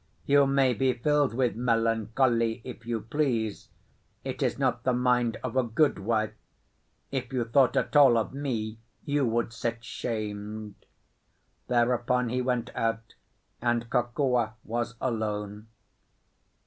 "You may be filled with melancholy if you please. It is not the mind of a good wife. If you thought at all of me, you would sit shamed." Thereupon he went out, and Kokua was alone.